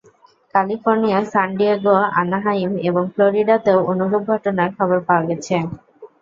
ক্যালিফোর্নিয়ার San Diego, Anaheim এবং ফ্লোরিডাতেও অনুরূপ ঘটনার খবর পাওয়া গেছে।